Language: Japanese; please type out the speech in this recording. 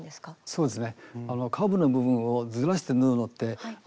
そうです。